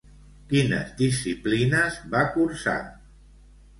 Quines disciplines va cursar?